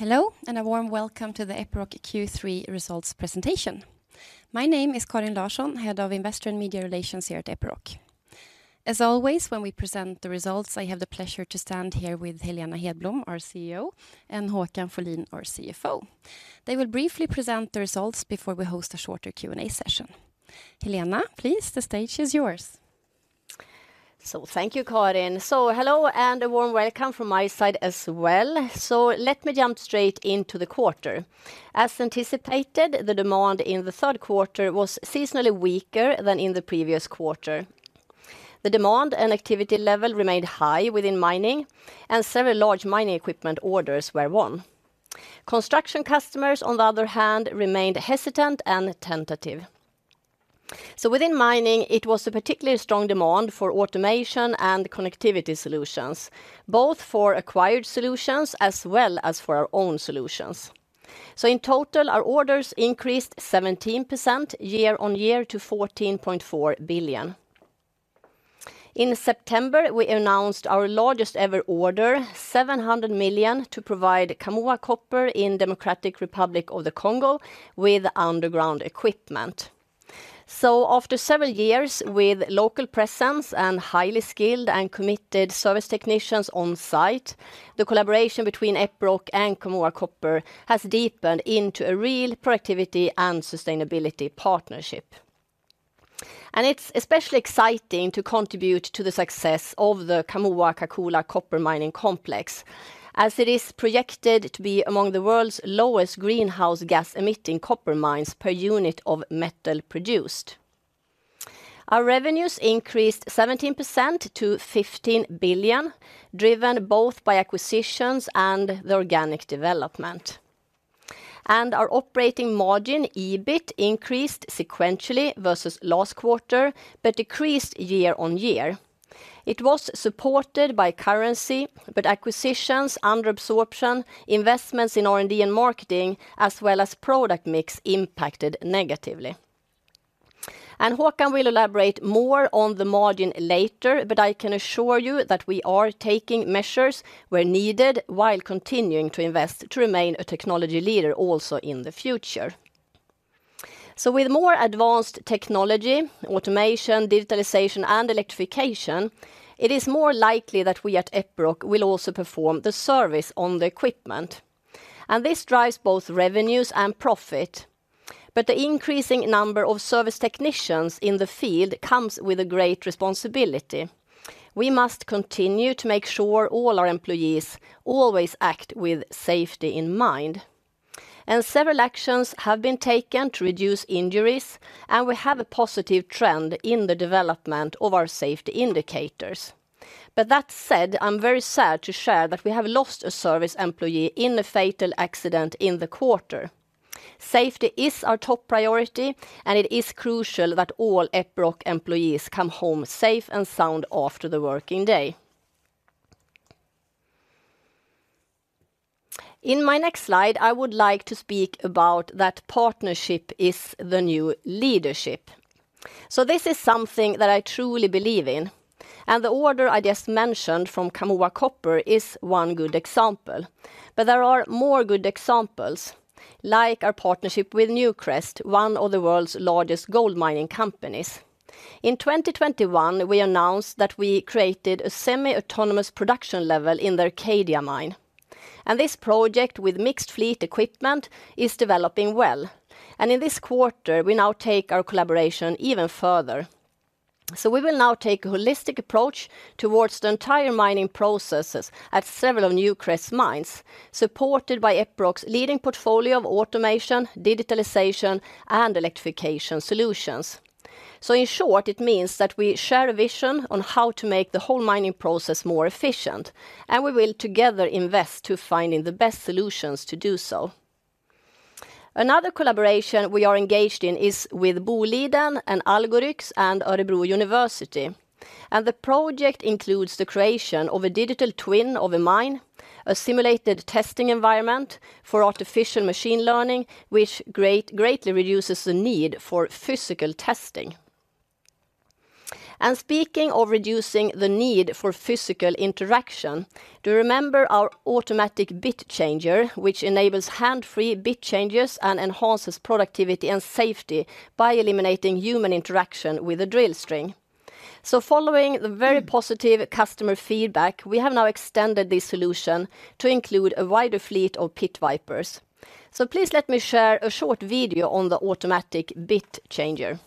Hello, and a warm welcome to the Epiroc Q3 results presentation. My name is Karin Larsson, head of Investor and Media Relations here at Epiroc. As always, when we present the results, I have the pleasure to stand here with Helena Hedblom, our CEO, and Håkan Folin, our CFO. They will briefly present the results before we host a shorter Q&A session. Helena, please, the stage is yours. So thank you, Karin. So hello, and a warm welcome from my side as well. So let me jump straight into the quarter. As anticipated, the demand in the third quarter was seasonally weaker than in the previous quarter. The demand and activity level remained high within mining, and several large mining equipment orders were won. Construction customers, on the other hand, remained hesitant and tentative. So within mining, it was a particularly strong demand for automation and connectivity solutions, both for acquired solutions as well as for our own solutions. So in total, our orders increased 17% year-on-year to 14.4 billion. In September, we announced our largest ever order, 700 million, to provide Kamoa Copper in Democratic Republic of the Congo with underground equipment. After several years with local presence and highly skilled and committed service technicians on site, the collaboration between Epiroc and Kamoa Copper has deepened into a real productivity and sustainability partnership. It's especially exciting to contribute to the success of the Kamoa-Kakula copper mining complex, as it is projected to be among the world's lowest greenhouse gas-emitting copper mines per unit of metal produced. Our revenues increased 17% to 15 billion, driven both by acquisitions and the organic development. Our operating margin, EBIT, increased sequentially versus last quarter, but decreased year-on-year. It was supported by currency, but acquisitions under absorption, investments in R&D and marketing, as well as product mix, impacted negatively. Håkan will elaborate more on the margin later, but I can assure you that we are taking measures where needed while continuing to invest to remain a technology leader also in the future. So with more advanced technology, automation, digitalization, and electrification, it is more likely that we at Epiroc will also perform the service on the equipment, and this drives both revenues and profit. But the increasing number of service technicians in the field comes with a great responsibility. We must continue to make sure all our employees always act with safety in mind, and several actions have been taken to reduce injuries, and we have a positive trend in the development of our safety indicators. But that said, I'm very sad to share that we have lost a service employee in a fatal accident in the quarter. Safety is our top priority, and it is crucial that all Epiroc employees come home safe and sound after the working day. In my next slide, I would like to speak about that partnership is the new leadership. So this is something that I truly believe in, and the order I just mentioned from Kamoa Copper is one good example. But there are more good examples, like our partnership with Newcrest, one of the world's largest gold mining companies. In 2021, we announced that we created a semi-autonomous production level in the Cadia Mine, and this project with mixed fleet equipment is developing well. And in this quarter, we now take our collaboration even further. So we will now take a holistic approach towards the entire mining processes at several of Newcrest's mines, supported by Epiroc's leading portfolio of automation, digitalization, and electrification solutions. So in short, it means that we share a vision on how to make the whole mining process more efficient, and we will together invest to finding the best solutions to do so. Another collaboration we are engaged in is with Boliden and Algoryx and Örebro University, and the project includes the creation of a digital twin of a mine, a simulated testing environment for artificial machine learning, which greatly reduces the need for physical testing. And speaking of reducing the need for physical interaction, do you remember our Automatic Bit Changer, which enables hands-free bit changes and enhances productivity and safety by eliminating human interaction with a drill string? So following the very positive customer feedback, we have now extended this solution to include a wider fleet of Pit Vipers. So please let me share a short video on the Automatic Bit Changer.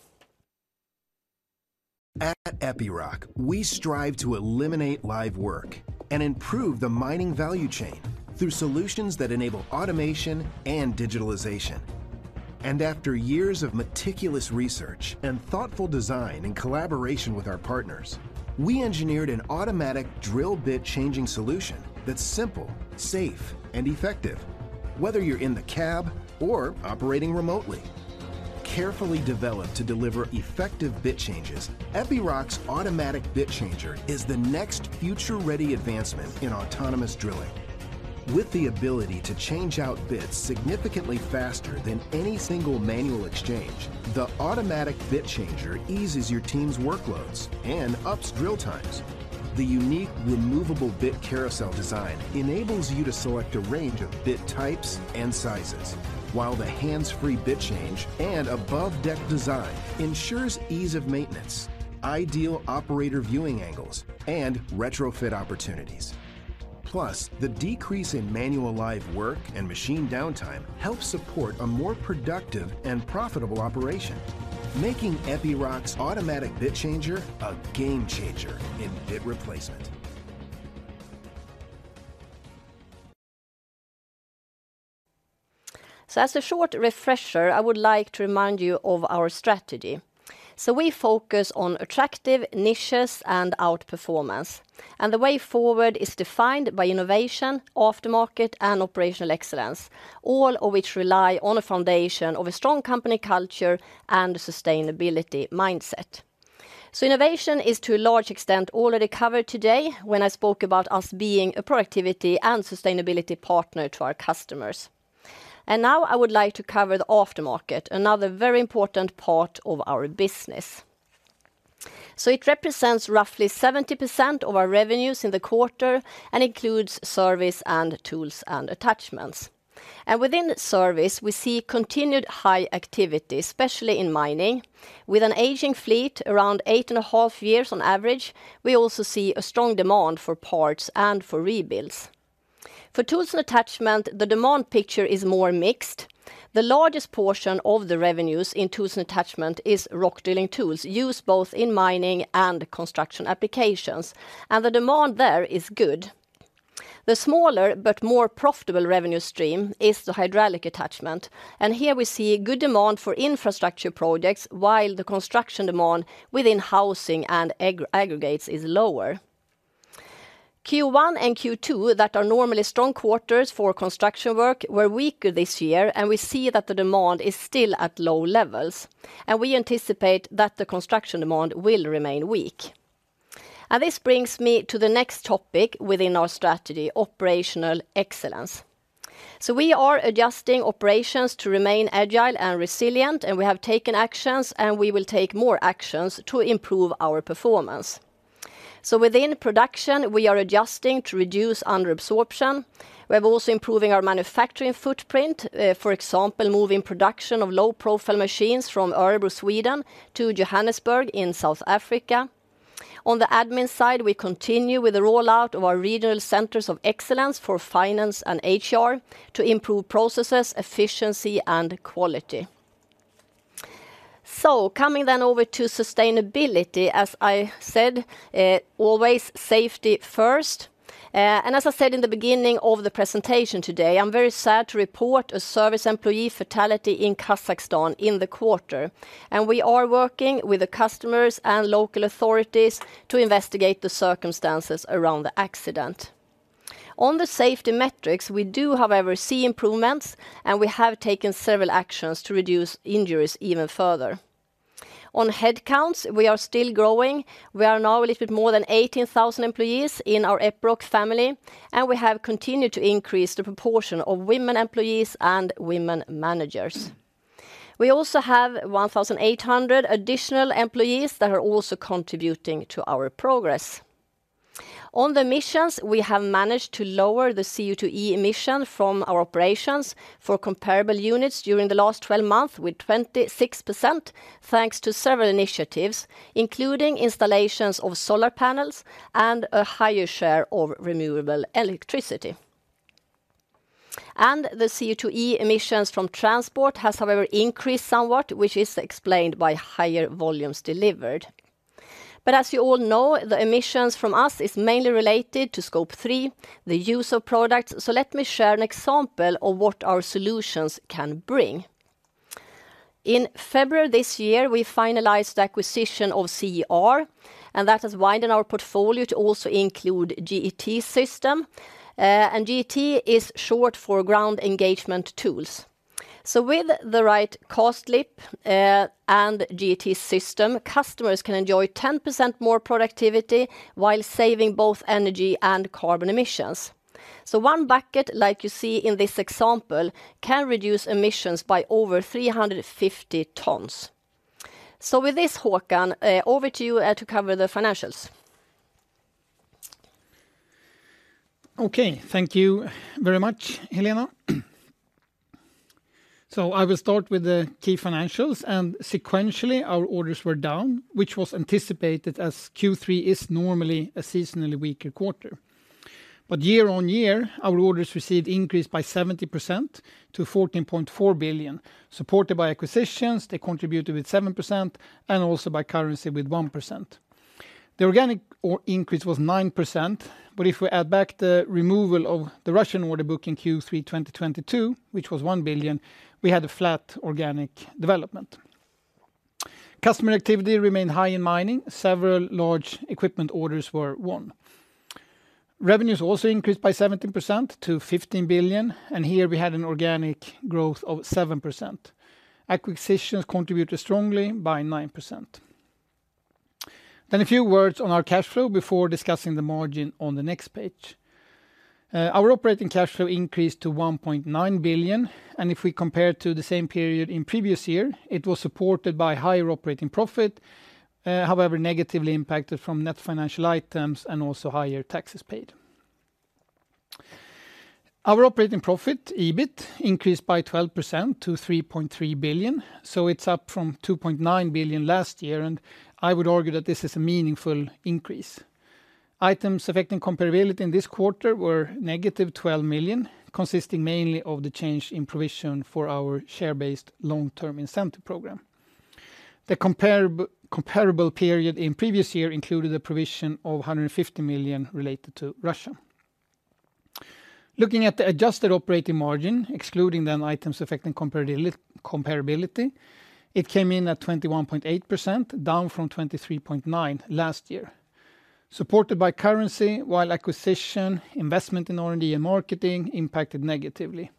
At Epiroc, we strive to eliminate live work and improve the mining value chain through solutions that enable automation and digitalization. After years of meticulous research and thoughtful design in collaboration with our partners, we engineered an automatic drill bit changing solution that's simple, safe, and effective, whether you're in the cab or operating remotely. Carefully developed to deliver effective bit changes, Epiroc's Automatic Bit Changer is the next future-ready advancement in autonomous drilling. With the ability to change out bits significantly faster than any single manual exchange, the Automatic Bit Changer eases your team's workloads and ups drill times. The unique removable bit carousel design enables you to select a range of bit types and sizes, while the hands-free bit change and above deck design ensures ease of maintenance, ideal operator viewing angles, and retrofit opportunities. Plus, the decrease in manual live work and machine downtime helps support a more productive and profitable operation, making Epiroc's Automatic Bit Changer a game changer in bit replacement. So as a short refresher, I would like to remind you of our strategy. So we focus on attractive niches and outperformance, and the way forward is defined by innovation, aftermarket, and operational excellence, all of which rely on a foundation of a strong company culture and a sustainability mindset. So innovation is, to a large extent, already covered today when I spoke about us being a productivity and sustainability partner to our customers. And now I would like to cover the aftermarket, another very important part of our business. So it represents roughly 70% of our revenues in the quarter and includes service and tools and attachments. And within service, we see continued high activity, especially in mining. With an aging fleet around 8.5 years on average, we also see a strong demand for parts and for rebuilds. For Tools & Attachments, the demand picture is more mixed. The largest portion of the revenues in Tools & Attachments is rock drilling tools used both in mining and construction applications, and the demand there is good. The smaller but more profitable revenue stream is the hydraulic attachment, and here we see good demand for infrastructure projects while the construction demand within housing and aggregates is lower. Q1 and Q2, that are normally strong quarters for construction work, were weaker this year, and we see that the demand is still at low levels, and we anticipate that the construction demand will remain weak. And this brings me to the next topic within our strategy: operational excellence. So we are adjusting operations to remain agile and resilient, and we have taken actions, and we will take more actions to improve our performance. So within production, we are adjusting to reduce under absorption. We are also improving our manufacturing footprint, for example, moving production of low-profile machines from Örebro, Sweden, to Johannesburg in South Africa. On the admin side, we continue with the rollout of our regional centers of excellence for finance and HR to improve processes, efficiency, and quality. So coming then over to sustainability, as I said, always safety first, and as I said in the beginning of the presentation today, I'm very sad to report a service employee fatality in Kazakhstan in the quarter, and we are working with the customers and local authorities to investigate the circumstances around the accident. On the safety metrics, we do, however, see improvements, and we have taken several actions to reduce injuries even further. On headcounts, we are still growing. We are now a little bit more than 18,000 employees in our Epiroc family, and we have continued to increase the proportion of women employees and women managers. We also have 1,800 additional employees that are also contributing to our progress. On the emissions, we have managed to lower the CO2e emission from our operations for comparable units during the last 12 months with 26%, thanks to several initiatives, including installations of solar panels and a higher share of renewable electricity. And the CO2e emissions from transport has, however, increased somewhat, which is explained by higher volumes delivered. But as you all know, the emissions from us is mainly related to Scope 3, the use of products, so let me share an example of what our solutions can bring. In February this year, we finalized the acquisition of CR, and that has widened our portfolio to also include GET system. And GET is short for ground engagement tools. So with the right cost slip, and GET system, customers can enjoy 10% more productivity while saving both energy and carbon emissions. So one bucket, like you see in this example, can reduce emissions by over 350 tons. So with this, Håkan, over to you, to cover the financials. Okay, thank you very much, Helena. So I will start with the key financials, and sequentially, our orders were down, which was anticipated, as Q3 is normally a seasonally weaker quarter. But year-on-year, our orders received increased by 70% to 14.4 billion, supported by acquisitions, they contributed with 7%, and also by currency with 1%. The organic order increase was 9%, but if we add back the removal of the Russian order book in Q3 2022, which was 1 billion, we had a flat organic development. Customer activity remained high in mining. Several large equipment orders were won. Revenues also increased by 17% to 15 billion, and here we had an organic growth of 7%. Acquisitions contributed strongly by 9%.Then a few words on our cash flow before discussing the margin on the next page. Our operating cash flow increased to 1.9 billion, and if we compare to the same period in previous year, it was supported by higher operating profit, however, negatively impacted from net financial items and also higher taxes paid. Our operating profit, EBIT, increased by 12% to 3.3 billion, so it's up from 2.9 billion last year, and I would argue that this is a meaningful increase. Items affecting comparability in this quarter were negative 12 million, consisting mainly of the change in provision for our share-based long-term incentive program. The comparable period in previous year included a provision of 150 million related to Russia. Looking at the adjusted operating margin, excluding the items affecting comparability, it came in at 21.8%, down from 23.9% last year, supported by currency, while acquisition, investment in R&D, and marketing impacted negatively,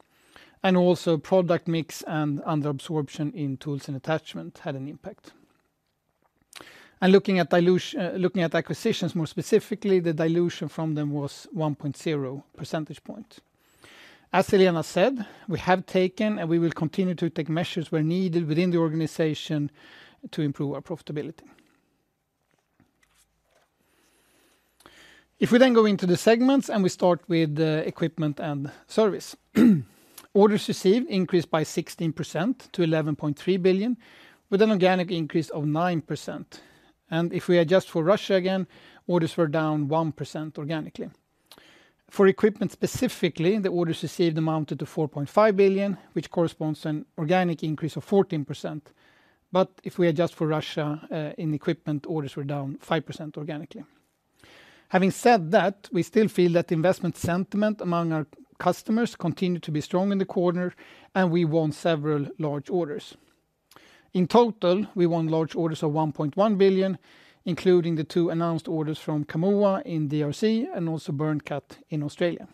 and also product mix and under absorption in tools and attachment had an impact. Looking at dilution, looking at acquisitions, more specifically, the dilution from them was 1.0 percentage point. As Helena said, we have taken, and we will continue to take measures where needed within the organization to improve our profitability. If we then go into the segments, and we start with the equipment and service, orders received increased by 16% to 11.3 billion, with an organic increase of 9%. And if we adjust for Russia again, orders were down 1% organically. For equipment specifically, the orders received amounted to 4.5 billion, which corresponds to an organic increase of 14%. But if we adjust for Russia in equipment, orders were down 5% organically. Having said that, we still feel that investment sentiment among our customers continued to be strong in the quarter, and we won several large orders. In total, we won large orders of 1.1 billion, including the two announced orders from Kamoa in DRC and also Byrnecut in Australia.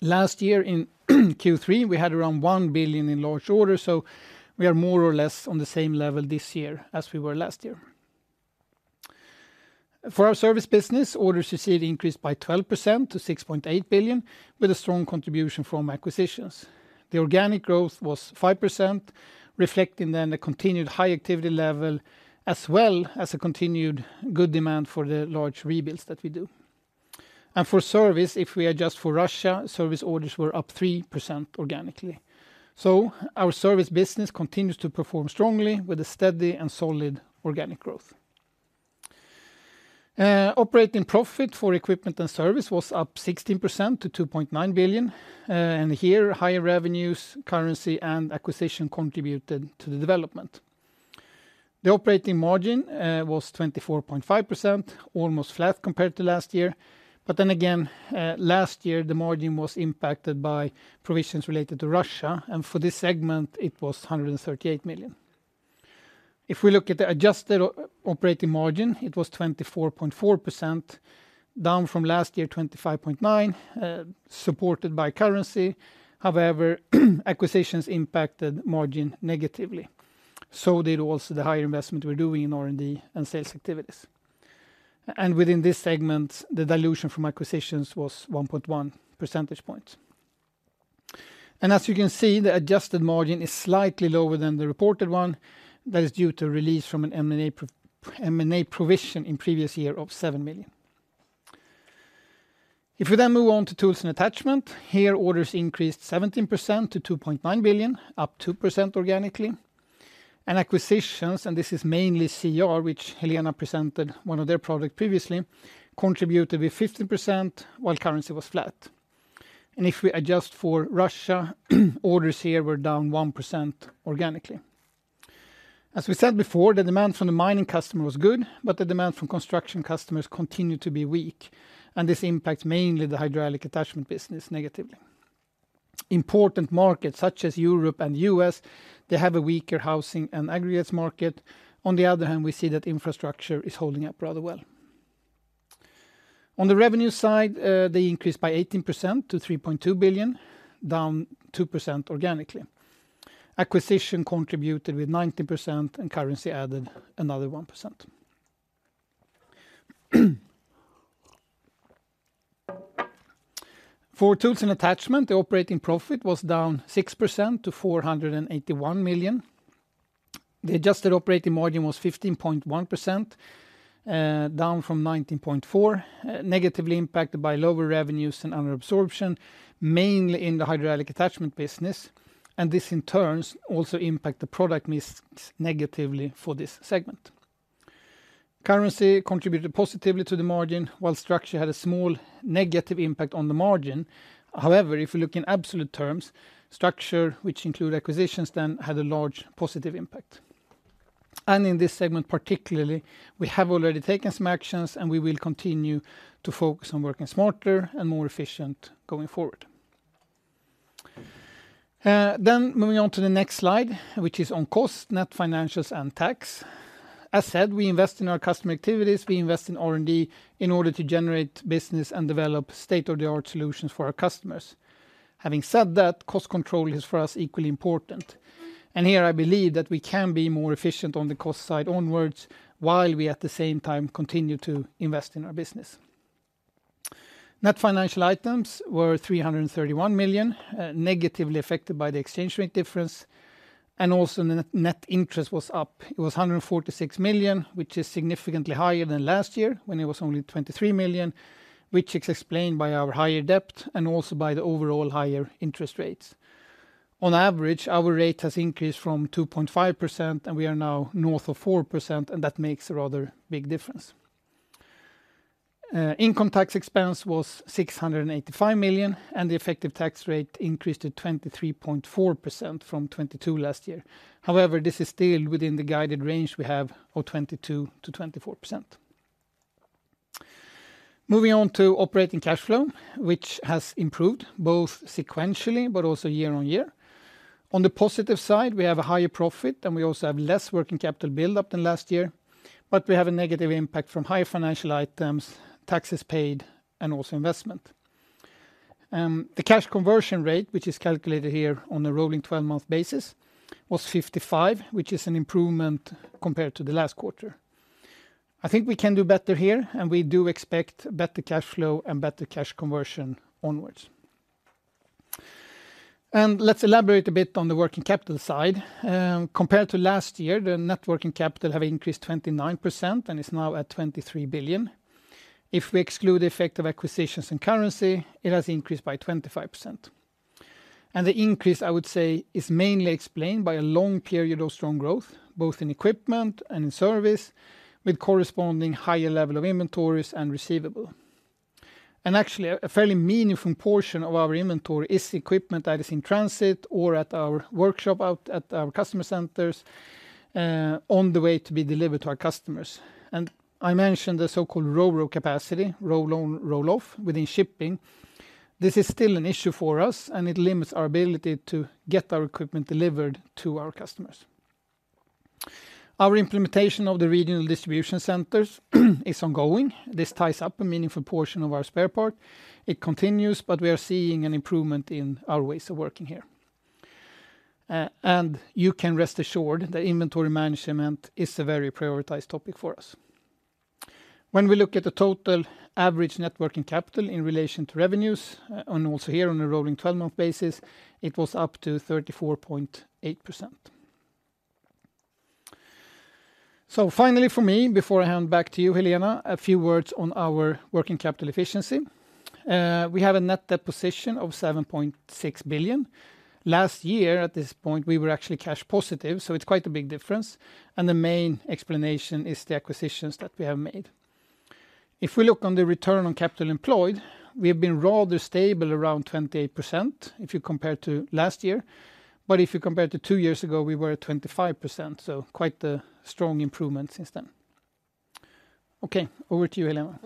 Last year in Q3, we had around 1 billion in large orders, so we are more or less on the same level this year as we were last year. For our service business, orders received increased by 12% to 6.8 billion, with a strong contribution from acquisitions. The organic growth was 5%, reflecting then the continued high activity level, as well as a continued good demand for the large rebuilds that we do. For service, if we adjust for Russia, service orders were up 3% organically. Our service business continues to perform strongly with a steady and solid organic growth. Operating profit for equipment and service was up 16% to 2.9 billion, and here, higher revenues, currency, and acquisition contributed to the development. The operating margin was 24.5%, almost flat compared to last year. Then again, last year, the margin was impacted by provisions related to Russia, and for this segment, it was 138 million. If we look at the adjusted operating margin, it was 24.4%, down from last year, 25.9%, supported by currency. However, acquisitions impacted margin negatively. So did also the higher investment we're doing in R&D and sales activities. And within this segment, the dilution from acquisitions was 1.1 percentage points. And as you can see, the adjusted margin is slightly lower than the reported one. That is due to release from an M&A provision in previous year of 7 million. If we then move on to tools and attachment, here, orders increased 17% to 2.9 billion, up 2% organically. And acquisitions, and this is mainly CR, which Helena presented one of their product previously, contributed with 15%, while currency was flat. And if we adjust for Russia, orders here were down 1% organically. As we said before, the demand from the mining customer was good, but the demand from construction customers continued to be weak, and this impacts mainly the hydraulic attachment business negatively. Important markets, such as Europe and U.S., they have a weaker housing and aggregates market. On the other hand, we see that infrastructure is holding up rather well. On the revenue side, they increased by 18% to 3.2 billion, down 2% organically. Acquisition contributed with 19%, and currency added another 1%. For tools and attachment, the operating profit was down 6% to 481 million. The adjusted operating margin was 15.1%, down from 19.4, negatively impacted by lower revenues and under absorption, mainly in the hydraulic attachment business, and this, in turn, also impact the product mix negatively for this segment. Currency contributed positively to the margin, while structure had a small negative impact on the margin. However, if you look in absolute terms, structure, which include acquisitions, then, had a large positive impact. And in this segment particularly, we have already taken some actions, and we will continue to focus on working smarter and more efficient going forward. Then moving on to the next slide, which is on cost, net financials, and tax. As said, we invest in our customer activities, we invest in R&D in order to generate business and develop state-of-the-art solutions for our customers. Having said that, cost control is, for us, equally important, and here I believe that we can be more efficient on the cost side onwards, while we, at the same time, continue to invest in our business. Net financial items were 331 million, negatively affected by the exchange rate difference, and also net interest was up. It was 146 million, which is significantly higher than last year, when it was only 23 million, which is explained by our higher debt and also by the overall higher interest rates. On average, our rate has increased from 2.5%, and we are now north of 4%, and that makes a rather big difference. Income tax expense was 685 million, and the effective tax rate increased to 23.4% from 22% last year. However, this is still within the guided range we have of 22%-24%. Moving on to operating cash flow, which has improved both sequentially but also year on year. On the positive side, we have a higher profit, and we also have less working capital build up than last year, but we have a negative impact from higher financial items, taxes paid, and also investment. The cash conversion rate, which is calculated here on a rolling 12-month basis, was 55%, which is an improvement compared to the last quarter. I think we can do better here, and we do expect better cash flow and better cash conversion onwards. Let's elaborate a bit on the working capital side. Compared to last year, the net working capital have increased 29% and is now at 23 billion. If we exclude the effect of acquisitions and currency, it has increased by 25%. The increase, I would say, is mainly explained by a long period of strong growth, both in equipment and in service, with corresponding higher level of inventories and receivable. Actually, a fairly meaningful portion of our inventory is equipment that is in transit or at our workshop out at our customer centers on the way to be delivered to our customers. And I mentioned the so-called Ro-Ro capacity, roll-on, roll-off, within shipping. This is still an issue for us, and it limits our ability to get our equipment delivered to our customers. Our implementation of the regional distribution centers is ongoing. This ties up a meaningful portion of our spare part. It continues, but we are seeing an improvement in our ways of working here. And you can rest assured that inventory management is a very prioritized topic for us. When we look at the total average net working capital in relation to revenues, and also here on a rolling 12-month basis, it was up to 34.8%. So finally for me, before I hand back to you, Helena, a few words on our working capital efficiency. We have a net debt position of 7.6 billion. Last year, at this point, we were actually cash positive, so it's quite a big difference, and the main explanation is the acquisitions that we have made. If we look on the return on capital employed, we have been rather stable around 28%, if you compare to last year. But if you compare to two years ago, we were at 25%, so quite a strong improvement since then. Okay, over to you, Helena.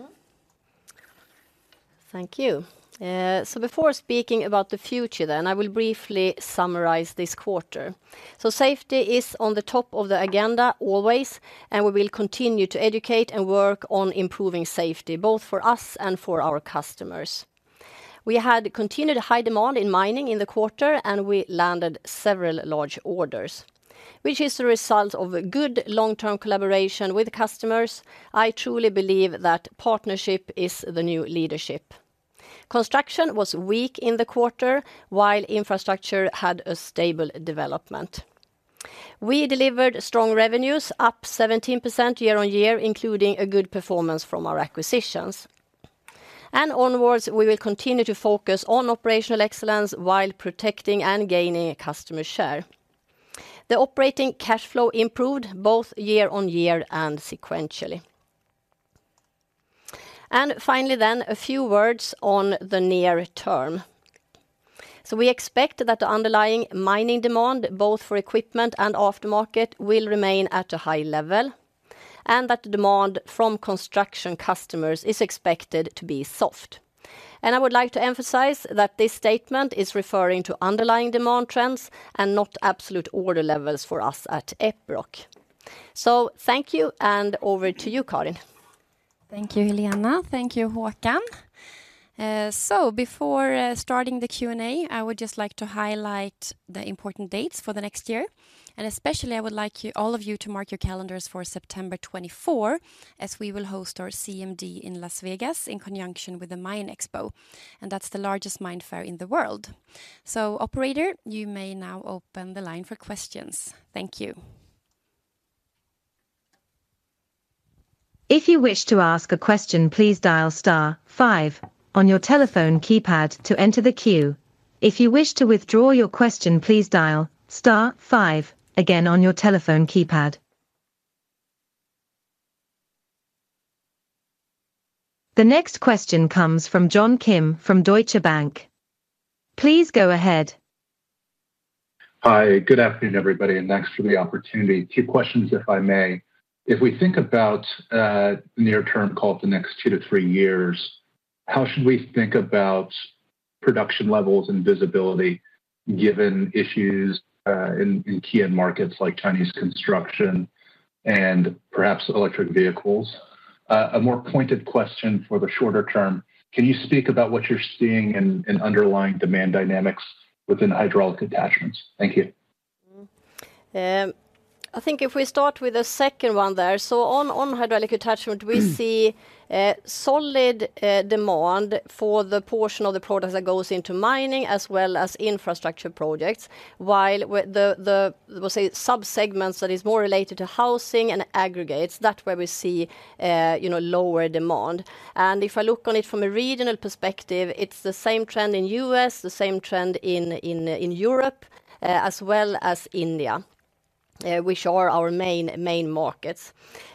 Thank you. So before speaking about the future, then I will briefly summarize this quarter. So safety is on the top of the agenda always, and we will continue to educate and work on improving safety, both for us and for our customers. We had continued high demand in mining in the quarter, and we landed several large orders, which is a result of a good long-term collaboration with customers. I truly believe that partnership is the new leadership. Construction was weak in the quarter, while infrastructure had a stable development. We delivered strong revenues, up 17% year-on-year, including a good performance from our acquisitions. And onwards, we will continue to focus on operational excellence while protecting and gaining customer share. The operating cash flow improved both year-on-year and sequentially. And finally, then, a few words on the near term. So we expect that the underlying mining demand, both for equipment and aftermarket, will remain at a high level, and that the demand from construction customers is expected to be soft. I would like to emphasize that this statement is referring to underlying demand trends and not absolute order levels for us at Epiroc. So thank you, and over to you, Karin. Thank you, Helena. Thank you, Håkan. So before starting the Q&A, I would just like to highlight the important dates for the next year. And especially, I would like you all of you to mark your calendars for September 24, as we will host our CMD in Las Vegas in conjunction with the MINExpo, and that's the largest mine fair in the world. So operator, you may now open the line for questions. Thank you. If you wish to ask a question, please dial star five on your telephone keypad to enter the queue. If you wish to withdraw your question, please dial star five again on your telephone keypad. The next question comes from John Kim from Deutsche Bank. Please go ahead. Hi, good afternoon, everybody, and thanks for the opportunity. Two questions, if I may: If we think about, near term, call it the next two to three years, how should we think about production levels and visibility, given issues in key end markets like Chinese construction and perhaps electric vehicles? A more pointed question for the shorter term, can you speak about what you're seeing in underlying demand dynamics within hydraulic attachments? Thank you. I think if we start with the second one there, so on, on hydraulic attachment, we see, solid, demand for the portion of the product that goes into mining as well as infrastructure projects. While with the, we'll say, subsegments that is more related to housing and aggregates, that where we see, you know, lower demand. And if I look on it from a regional perspective, it's the same trend in U.S., the same trend in Europe, as well as India, which are our main, main markets.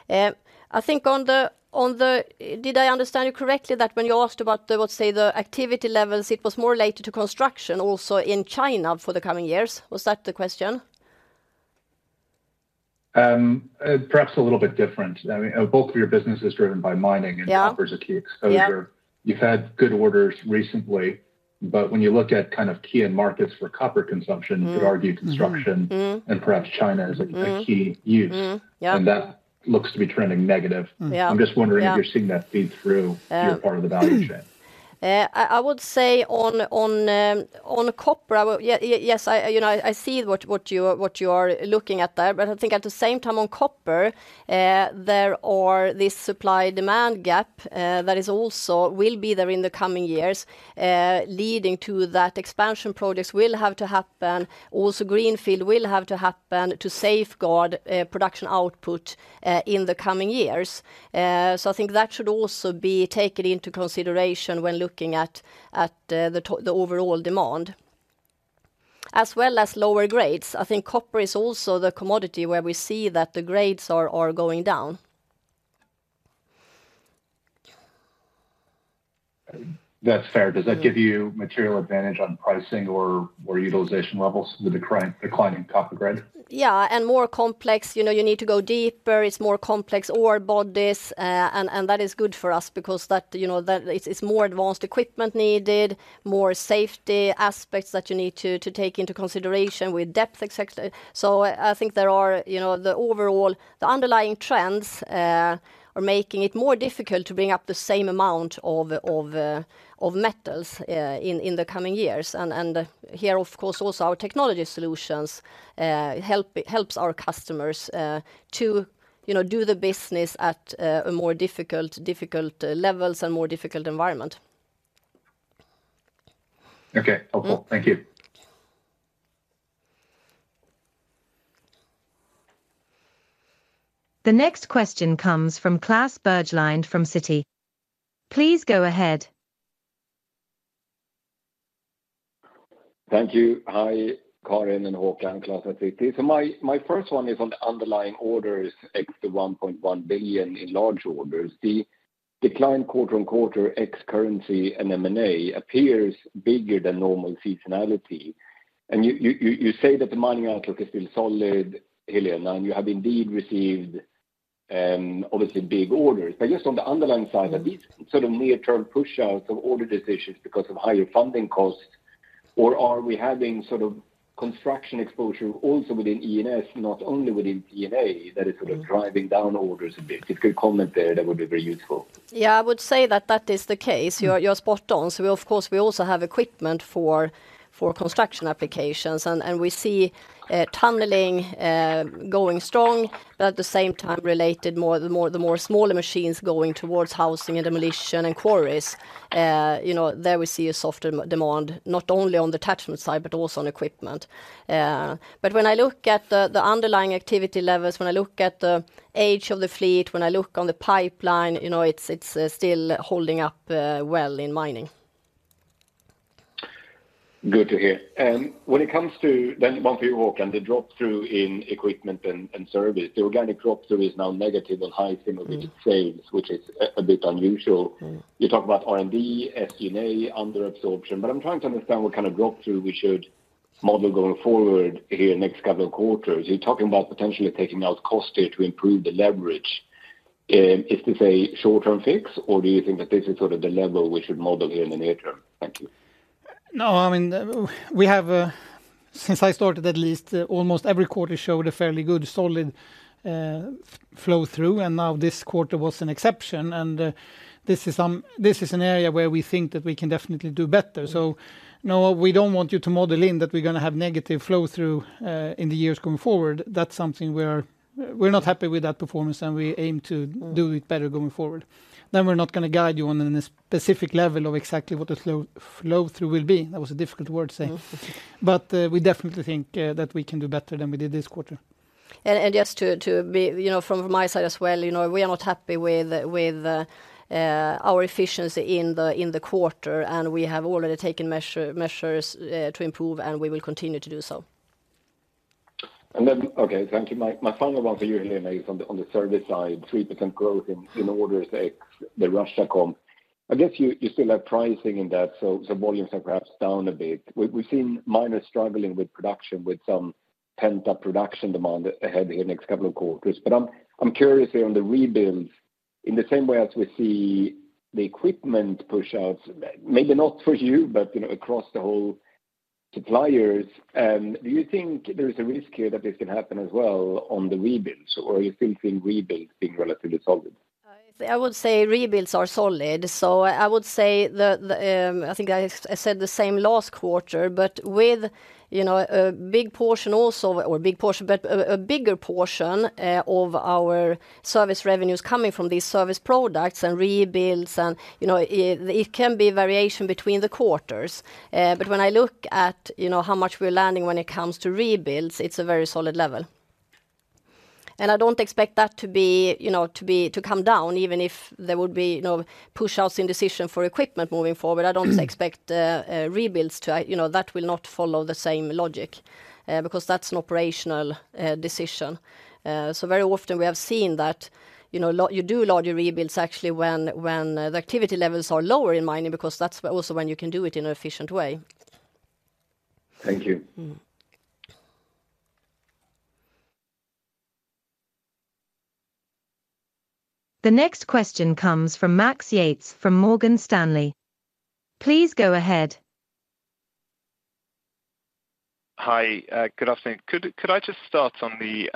I think on the, on the, did I understand you correctly, that when you asked about the, let's say, the activity levels, it was more related to construction also in China for the coming years? Was that the question? Perhaps a little bit different. I mean, both of your business is driven by mining- Yeah. Copper is a key exposure. Yeah. You've had good orders recently, but when you look at kind of key end markets for copper consumption, you could argue construction- Mm-hmm. And perhaps China is a key use. Mm-hmm. Yep. That looks to be trending negative. Yeah. I'm just wondering- Yeah... if you're seeing that feed through, Uh, Your part of the value chain? I would say on copper, I would, yeah, yes, I, you know, I see what you are looking at there. But I think at the same time on copper, there are this supply-demand gap, that is also will be there in the coming years, leading to that expansion projects will have to happen. Also, Greenfield will have to happen to safeguard production output in the coming years. So I think that should also be taken into consideration when looking at the overall demand, as well as lower grades. I think copper is also the commodity where we see that the grades are going down. That's fair. Mm. Does that give you material advantage on pricing or utilization levels, the declining copper grade? Yeah, and more complex. You know, you need to go deeper. It's more complex ore bodies, and that is good for us because that, you know, it's more advanced equipment needed, more safety aspects that you need to take into consideration with depth, et cetera. So I think there are, you know, the overall the underlying trends are making it more difficult to bring up the same amount of metals in the coming years. And here, of course, also our technology solutions helps our customers to, you know, do the business at a more difficult levels and more difficult environment. Okay. Helpful. Mm. Thank you. The next question comes from Klas Bergelind from Citi. Please go ahead. Thank you. Hi, Karin and Håkan. Klas at Citi. So my first one is on the underlying orders, ex the 1.1 billion in large orders. The decline quarter-on-quarter, ex currency and M&A, appears bigger than normal seasonality. And you say that the mining outlook is still solid, Helena, and you have indeed received, obviously, big orders. But just on the underlying side, are these sort of near-term pushouts of order decisions because of higher funding costs? Or are we having sort of construction exposure also within E&S, not only within D&A, that is sort of driving down orders a bit? If you could comment there, that would be very useful. Yeah, I would say that that is the case. You're, you're spot on. So we of course, we also have equipment for, for construction applications, and, and we see, tunneling, going strong, but at the same time, related more, the more, the more smaller machines going towards housing and demolition and quarries. You know, there we see a softer demand, not only on the attachment side, but also on equipment. But when I look at the, the underlying activity levels, when I look at the age of the fleet, when I look on the pipeline, you know, it's, it's, still holding up, well in mining. Good to hear. When it comes to, then one for you, Håkan, the drop-through in equipment and service, the organic drop-through is now negative on high single-digit sales, which is a bit unusual. Mm. You talk about R&D, SG&A, under absorption, but I'm trying to understand what kind of drop-through we should model going forward here in the next couple of quarters. You're talking about potentially taking out costs here to improve the leverage. Is this a short-term fix, or do you think that this is sort of the level we should model here in the near term? Thank you. No, I mean, we have, since I started at least, almost every quarter showed a fairly good, solid flow-through, and now this quarter was an exception, and this is an area where we think that we can definitely do better. Mm. So no, we don't want you to model in that we're gonna have negative flow-through in the years going forward. That's something we're not happy with that performance, and we aim to- Mm... do it better going forward. Then we're not gonna guide you on the specific level of exactly what the flow, flow-through will be. That was a difficult word to say. But, we definitely think that we can do better than we did this quarter. Just to be. You know, from my side as well, you know, we are not happy with our efficiency in the quarter, and we have already taken measures to improve, and we will continue to do so. And then, okay, thank you. My final one for you, Helena, is on the service side, 3% growth in orders, ex the Russia comp. I guess you still have pricing in that, so volumes are perhaps down a bit. We've seen miners struggling with production, with some pent-up production demand ahead here next couple of quarters. But I'm curious here on the rebuilds, in the same way as we see the equipment pushouts, maybe not for you, but you know, across the whole suppliers, do you think there is a risk here that this can happen as well on the rebuilds, or you still think rebuilds being relatively solid? I would say rebuilds are solid. So I would say the, the, I think I said the same last quarter, but with, you know, a big portion also, or a big portion, but a bigger portion of our service revenues coming from these service products and rebuilds and, you know, it can be variation between the quarters. But when I look at, you know, how much we're landing when it comes to rebuilds, it's a very solid level. And I don't expect that to be, you know, to come down, even if there would be, you know, pushouts in decision for equipment moving forward. I don't expect rebuilds to, you know, that will not follow the same logic, because that's an operational decision. So very often we have seen that, you know, you do larger rebuilds actually when the activity levels are lower in mining, because that's also when you can do it in an efficient way. Thank you. Mm. The next question comes from Max Yates, from Morgan Stanley. Please go ahead. Hi, good afternoon. Could I just start on the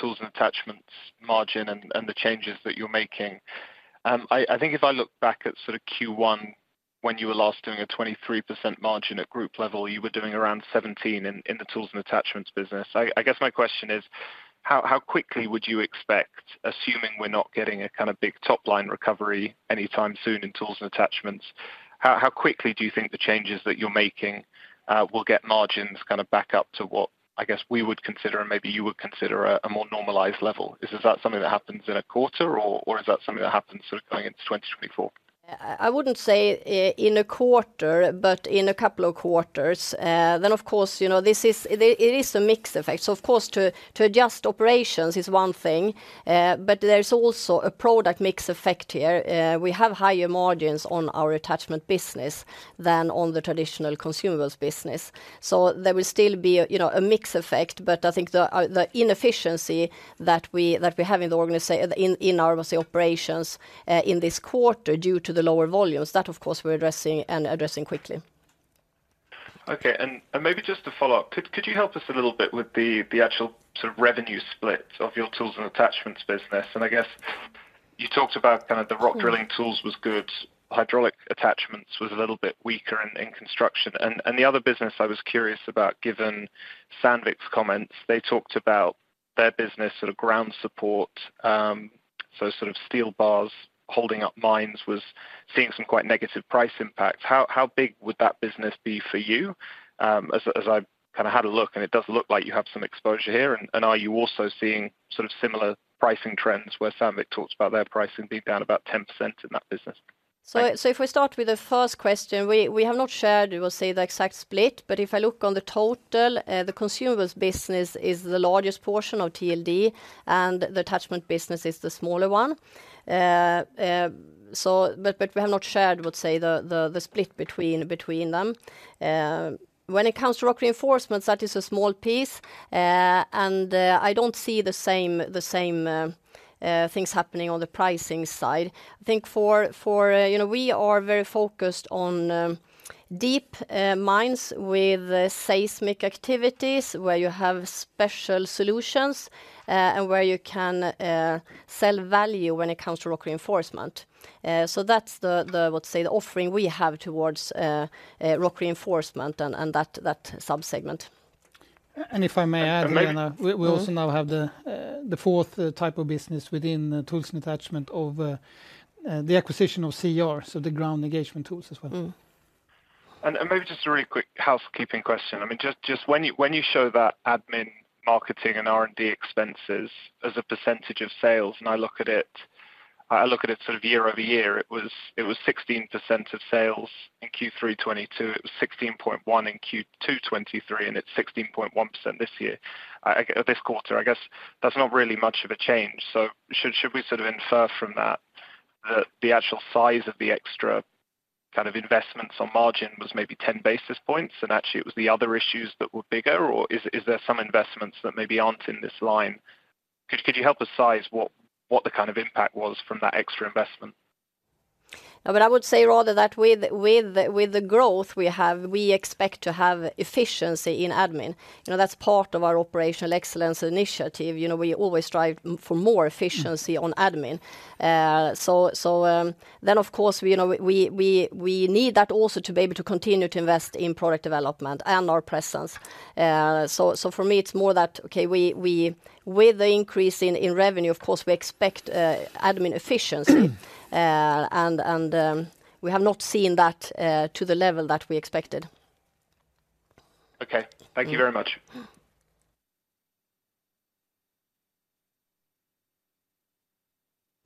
tools and attachments margin and the changes that you're making? I think if I look back at sort of Q1, when you were last doing a 23% margin at group level, you were doing around 17 in the tools and attachments business. I guess my question is: how quickly would you expect, assuming we're not getting a kind of big top line recovery anytime soon in tools and attachments, how quickly do you think the changes that you're making will get margins kind of back up to what I guess we would consider, and maybe you would consider, a more normalized level? Is that something that happens in a quarter, or is that something that happens sort of going into 2024? I wouldn't say in a quarter, but in a couple of quarters. Then, of course, you know, this is a mix effect. So of course, to adjust operations is one thing, but there's also a product mix effect here. We have higher margins on our attachment business than on the traditional consumables business. So there will still be a mix effect, you know, but I think the inefficiency that we have in our operations in this quarter, due to the lower volumes, that of course, we're addressing quickly. Okay. And maybe just to follow up, could you help us a little bit with the actual sort of revenue split of your tools and attachments business? And I guess you talked about kind of the rock- Mm... drilling tools was good, hydraulic attachments was a little bit weaker in construction. And the other business I was curious about, given Sandvik's comments, they talked about their business sort of ground support. So sort of steel bars holding up mines was seeing some quite negative price impacts. How big would that business be for you? As I've kind of had a look, and it does look like you have some exposure here. And are you also seeing sort of similar pricing trends, where Sandvik talks about their pricing being down about 10% in that business? So if we start with the first question, we have not shared, we'll say, the exact split, but if I look on the total, the consumer's business is the largest portion of TLD, and the attachment business is the smaller one. So, but we have not shared, we'll say, the split between them. When it comes to rock reinforcements, that is a small piece, and I don't see the same things happening on the pricing side. I think for... You know, we are very focused on deep mines with seismic activities, where you have special solutions, and where you can sell value when it comes to rock reinforcement. So that's the offering we have towards rock reinforcement and that sub-segment. If I may add, Helena. And maybe- We also now have the fourth type of business within the tools and attachment of the acquisition of CR, so the ground engagement tools as well. Mm. Maybe just a really quick housekeeping question. I mean, just when you show that admin, marketing, and R&D expenses as a percentage of sales, and I look at it sort of year-over-year, it was 16% of sales in Q3 2022. It was 16.1 in Q2 2023, and it's 16.1% this year. This quarter. I guess that's not really much of a change. Should we sort of infer from that, that the actual size of the extra kind of investments on margin was maybe 10 basis points, and actually it was the other issues that were bigger, or is there some investments that maybe aren't in this line? Could you help us size what the kind of impact was from that extra investment? But I would say rather that with the growth we have, we expect to have efficiency in admin. You know, that's part of our operational excellence initiative. You know, we always strive for more efficiency on admin. So, of course, you know, we need that also to be able to continue to invest in product development and our presence. So for me, it's more that with the increase in revenue, of course, we expect admin efficiency. And we have not seen that to the level that we expected. Okay. Mm. Thank you very much.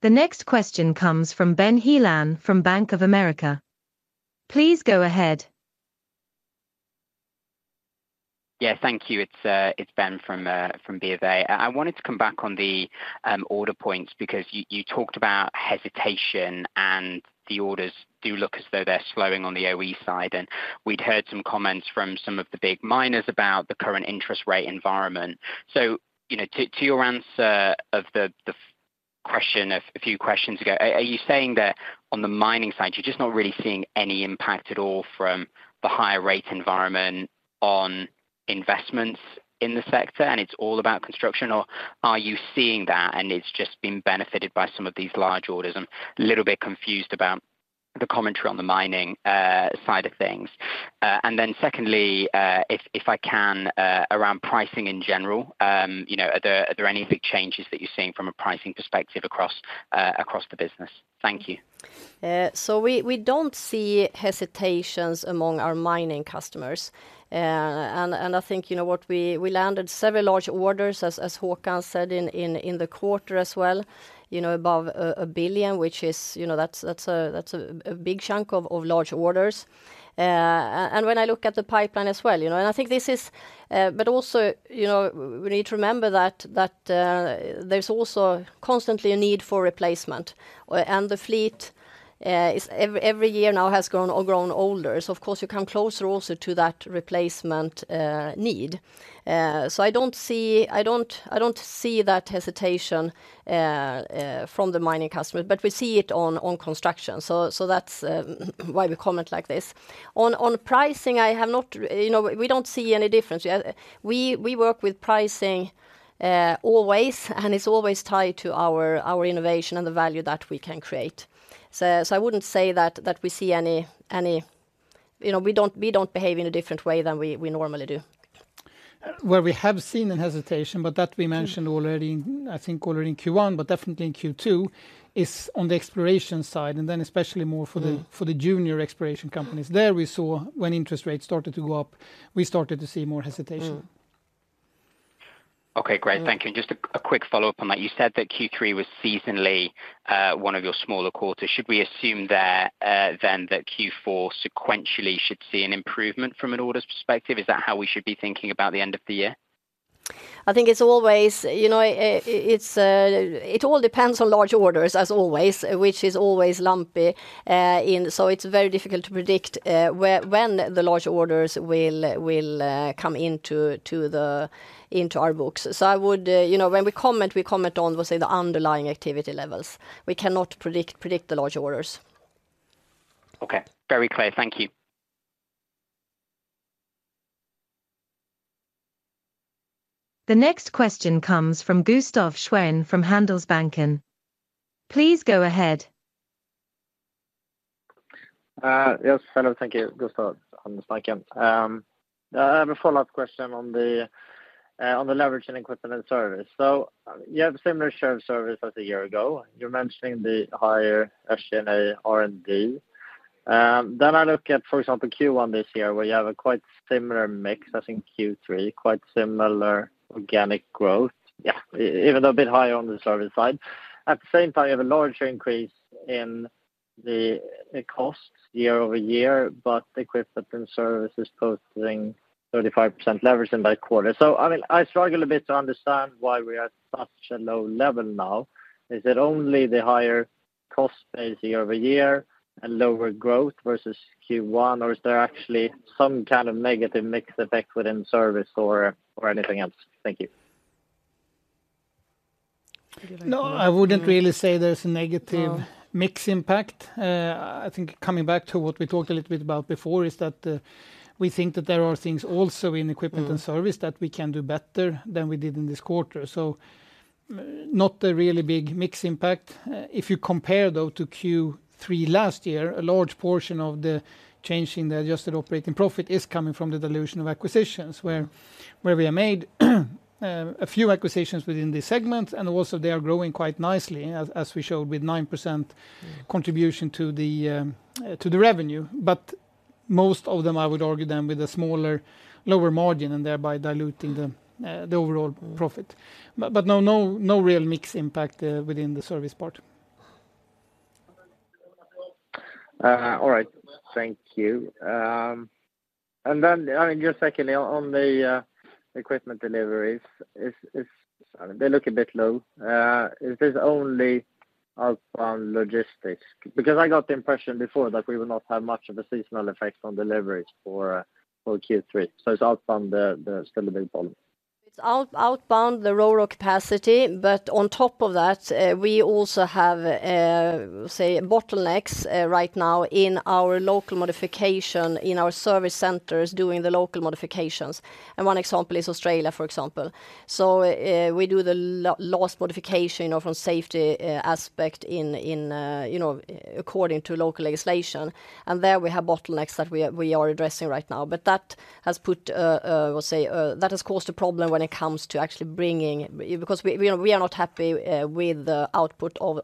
The next question comes from Ben Heelan from Bank of America. Please go ahead. Yeah, thank you. It's Ben from B of A. I wanted to come back on the order points, because you talked about hesitation, and the orders do look as though they're slowing on the OE side. And we'd heard some comments from some of the big miners about the current interest rate environment. So, you know, to your answer of the question a few questions ago, are you saying that on the mining side, you're just not really seeing any impact at all from the higher rate environment on investments in the sector, and it's all about construction? Or are you seeing that, and it's just been benefited by some of these large orders? I'm a little bit confused about the commentary on the mining side of things. And then secondly, if I can, around pricing in general, you know, are there any big changes that you're seeing from a pricing perspective across the business? Thank you. So we don't see hesitations among our mining customers. And I think, you know what, we landed several large orders as Håkan said in the quarter as well, you know, above 1 billion, which is, you know, that's a big chunk of large orders. And when I look at the pipeline as well, you know, and I think this is. But also, you know, we need to remember that there's also constantly a need for replacement, and the fleet every year now has grown or grown older. So of course, you come closer also to that replacement need. So I don't see, I don't see that hesitation from the mining customer, but we see it on construction. So that's why we comment like this. On pricing, you know, we don't see any difference. Yeah, we work with pricing always, and it's always tied to our innovation and the value that we can create. So I wouldn't say that we see any. You know, we don't behave in a different way than we normally do. Where we have seen a hesitation, but that we mentioned already, I think already in Q1, but definitely in Q2, is on the exploration side, and then especially more for the- Mm. for the junior exploration companies. There, we saw when interest rates started to go up, we started to see more hesitation. Mm. Okay, great. Mm. Thank you. Just a quick follow-up on that. You said that Q3 was seasonally one of your smaller quarters. Should we assume there then that Q4 sequentially should see an improvement from an orders perspective? Is that how we should be thinking about the end of the year? I think it's always. You know, it's, it all depends on large orders as always, which is always lumpy. So it's very difficult to predict, when the large orders will come into the into our books. So I would, you know, when we comment, we comment on, we'll say, the underlying activity levels. We cannot predict the large orders. Okay. Very clear. Thank you. The next question comes from Gustaf Schwerin from Handelsbanken. Please go ahead. Yes, hello. Thank you. Gustaf from Handelsbanken. I have a follow-up question on the leverage and equipment and service. So you have a similar share of service as a year ago. You're mentioning the higher SG&A R&D. Then I look at, for example, Q1 this year, where you have a quite similar mix as in Q3, quite similar organic growth. Yeah, even though a bit higher on the service side. At the same time, you have a larger increase in the costs year-over-year, but equipment and service is posting 35% leverage in that quarter. So, I mean, I struggle a bit to understand why we are at such a low level now. Is it only the higher cost base year over year and lower growth versus Q1, or is there actually some kind of negative mix effect within service or anything else? Thank you. Would you like to- No, I wouldn't really say there's a negative- No... mix impact. I think coming back to what we talked a little bit about before is that, we think that there are things also in equipment- Mm... and service that we can do better than we did in this quarter. So not a really big mix impact. If you compare, though, to Q3 last year, a large portion of the change in the adjusted operating profit is coming from the dilution of acquisitions, where we have made a few acquisitions within the segment, and also they are growing quite nicely, as we showed, with 9%- Mm... contribution to the revenue. But most of them, I would argue, than with a smaller, lower margin and thereby diluting the overall profit. But no real mix impact within the service part. All right. Thank you. And then, I mean, just secondly, on the equipment deliveries. They look a bit low. Is this only outbound logistics? Because I got the impression before that we would not have much of a seasonal effect on deliveries for for Q3, so it's outbound the still the big problem. It's outbound, the Ro-Ro capacity, but on top of that, we also have, say, bottlenecks right now in our local modification, in our service centers, doing the local modifications, and one example is Australia, for example. So, we do the last modification, you know, from safety aspect in, in, you know, according to local legislation, and there we have bottlenecks that we are, we are addressing right now. But that has put, we'll say... That has caused a problem when it comes to actually bringing. Because we are not happy with the output of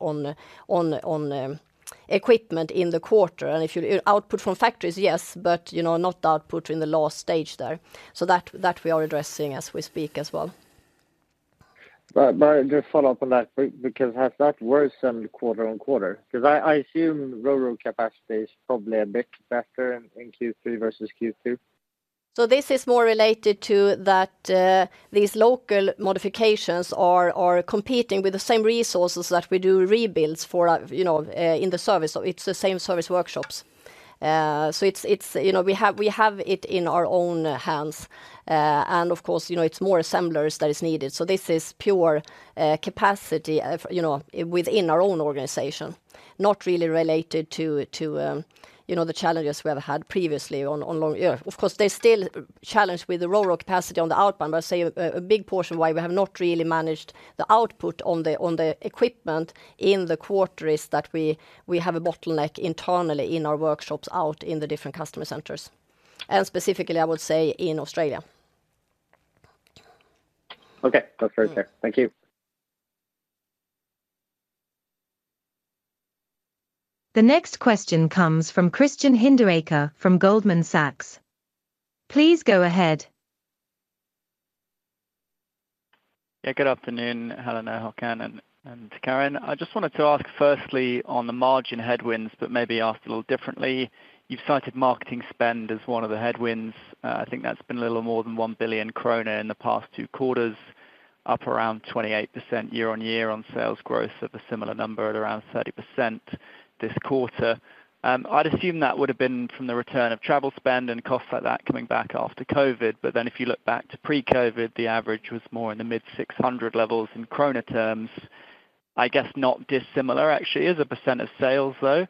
equipment in the quarter. And if you, output from factories, yes, but, you know, not the output in the last stage there. So that, that we are addressing as we speak as well. But just follow up on that, because has that worsened quarter-on-quarter? 'Cause I assume Ro-Ro capacity is probably a bit better in Q3 versus Q2. So this is more related to that, these local modifications are competing with the same resources that we do rebuilds for, you know, in the service. So it's the same service workshops. So it's, you know, we have it in our own hands. And of course, you know, it's more assemblers that is needed. So this is pure capacity of, you know, within our own organization, not really related to, you know, the challenges we have had previously on long year. Of course, there's still challenge with the Ro-Ro capacity on the outbound, but I say a big portion why we have not really managed the output on the equipment in the quarter is that we have a bottleneck internally in our workshops, out in the different customer centers, and specifically, I would say, in Australia. Okay. That's very clear. Thank you. The next question comes from Christian Hinderaker from Goldman Sachs. Please go ahead. Yeah, good afternoon, Helena, Håkan, and Karin. I just wanted to ask, firstly, on the margin headwinds, but maybe asked a little differently. You've cited marketing spend as one of the headwinds. I think that's been a little more than 1 billion krona in the past two quarters, up around 28% year-on-year on sales growth of a similar number at around 30% this quarter. I'd assume that would have been from the return of travel spend and costs like that coming back after COVID, but then if you look back to pre-COVID, the average was more in the mid-600 levels in krona terms. I guess not dissimilar, actually, as a percent of sales, though.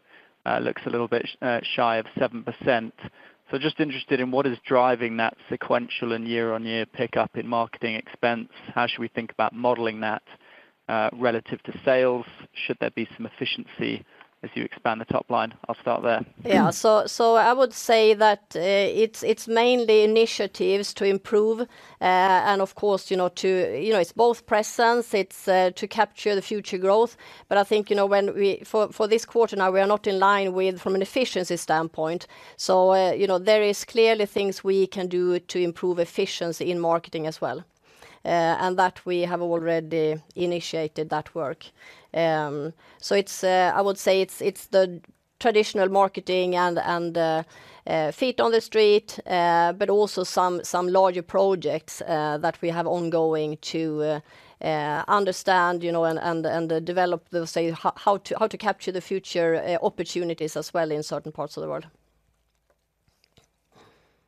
It looks a little bit shy of 7%. So just interested in what is driving that sequential and year-on-year pickup in marketing expense. How should we think about modeling that, relative to sales? Should there be some efficiency as you expand the top line? I'll start there. Yeah. So I would say that it's mainly initiatives to improve, and of course, you know, to... You know, it's both presence, it's to capture the future growth. But I think, you know, for this quarter now, we are not in line from an efficiency standpoint. So, you know, there is clearly things we can do to improve efficiency in marketing as well, and that we have already initiated that work. So it's, I would say, it's the traditional marketing and feet on the street, but also some larger projects that we have ongoing to understand, you know, and develop, let's say, how to capture the future opportunities as well in certain parts of the world.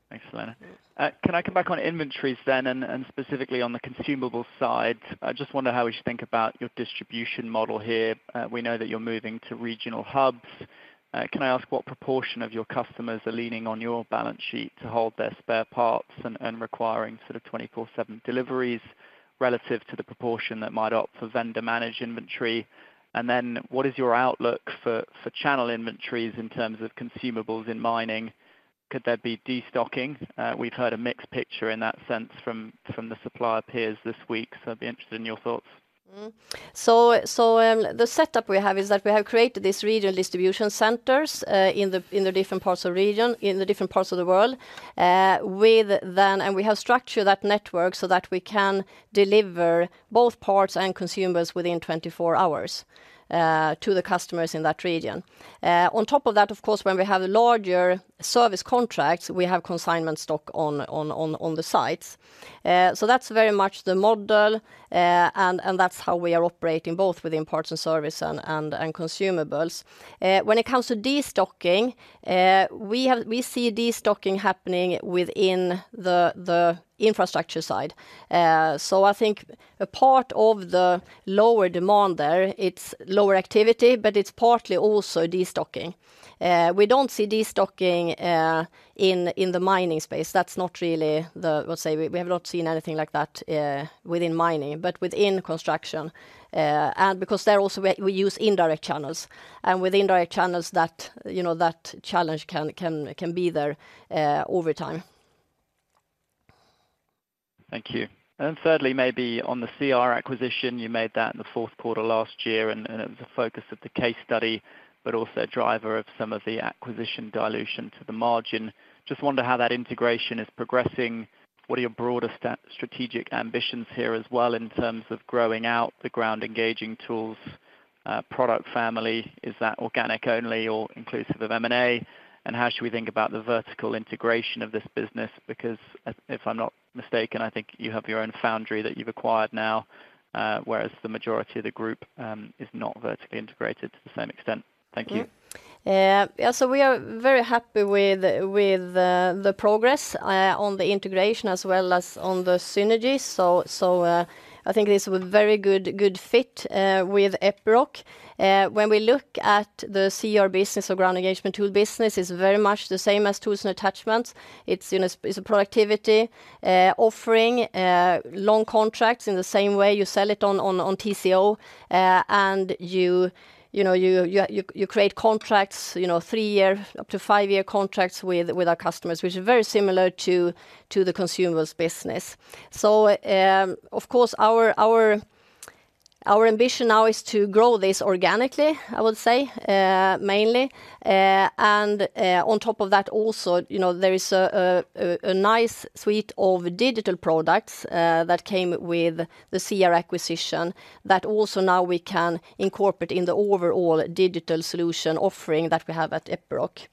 Thanks, Helena. Can I come back on inventories then, and specifically on the consumable side? I just wonder how we should think about your distribution model here. We know that you're moving to regional hubs. Can I ask what proportion of your customers are leaning on your balance sheet to hold their spare parts and requiring sort of 24/7 deliveries relative to the proportion that might opt for vendor-managed inventory? And then, what is your outlook for channel inventories in terms of consumables in mining? Could there be destocking? We've heard a mixed picture in that sense from the supplier peers this week, so I'd be interested in your thoughts. So, the setup we have is that we have created this regional distribution centers in the different parts of the region, in the different parts of the world. And we have structured that network so that we can deliver both parts and consumers within 24 hours to the customers in that region. On top of that, of course, when we have larger service contracts, we have consignment stock on the sites. So that's very much the model. And that's how we are operating, both within parts and service and consumables. When it comes to destocking, we see destocking happening within the infrastructure side. So I think a part of the lower demand there, it's lower activity, but it's partly also destocking. We don't see destocking in the mining space. That's not really. Let's say, we have not seen anything like that within mining, but within construction. And because there also we use indirect channels, and with indirect channels that, you know, that challenge can be there over time. Thank you. Then thirdly, maybe on the CR acquisition, you made that in the fourth quarter last year, and it was a focus of the case study, but also a driver of some of the acquisition dilution to the margin. Just wonder how that integration is progressing. What are your broader strategic ambitions here as well, in terms of growing out the ground engagement tools product family? Is that organic only or inclusive of M&A? And how should we think about the vertical integration of this business? Because if I'm not mistaken, I think you have your own foundry that you've acquired now, whereas the majority of the group is not vertically integrated to the same extent. Thank you. Yeah. Yeah, so we are very happy with, with, the progress, on the integration as well as on the synergies. So, so, I think it's a very good, good fit, with Epiroc. When we look at the CR business or ground engagement tool business, it's very much the same as tools and attachments. It's, you know, it's a productivity, offering, long contracts in the same way you sell it on, on, on TCO. And you know, you create contracts, you know, three-year, up to five-year contracts with, with our customers, which is very similar to, to the consumer's business. So, of course, our ambition now is to grow this organically, I would say, mainly. On top of that also, you know, there is a nice suite of digital products that came with the CR acquisition, that also now we can incorporate in the overall digital solution offering that we have at Epiroc.